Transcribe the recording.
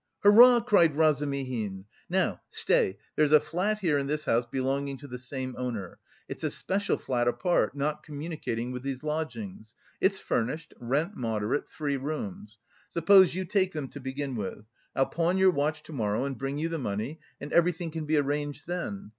"Hurrah!" cried Razumihin. "Now, stay, there's a flat here in this house, belonging to the same owner. It's a special flat apart, not communicating with these lodgings. It's furnished, rent moderate, three rooms. Suppose you take them to begin with. I'll pawn your watch to morrow and bring you the money, and everything can be arranged then.